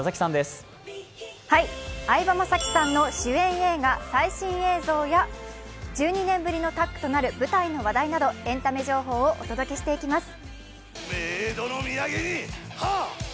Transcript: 相葉雅紀さんの主演映画最新映像や１２年ぶりのタッグとなる舞台の情報などエンタメ情報をお届けします。